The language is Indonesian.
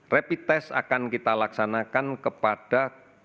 rapid test akan kita laksanakan kepada